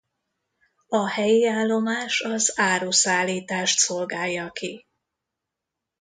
A helyi állomás az áruszállítást szolgálja ki.